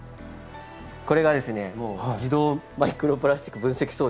これが自動マイクロプラスチック分析装置